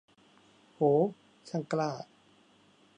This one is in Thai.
โห ช่างกล้า